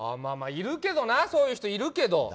いるけどなそういう人いるけど。